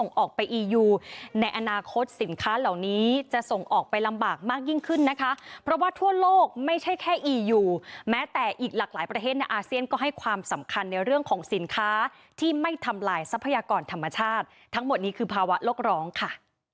ในอนาคตสินค้าเหล่านี้จะส่งออกไปลำบากมากยิ่งขึ้นนะคะเพราะว่าทั่วโลกไม่ใช่แค่อียูแม้แต่อีกหลากหลายประเทศในอาเซียนก็ให้ความสำคัญในเรื่องของสินค้าที่ไม่ทำลายทรัพยากรธรรมชาติทั้งหมดนี้คือภาวะโลกร้องค่ะ